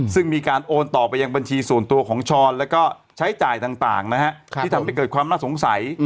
ซึ่งมีการโอนต่อไปยังบัญชีส่วนตัวของช้อนแล้วก็ใช้จ่ายต่างนะฮะที่ทำให้เกิดความน่าสงสัย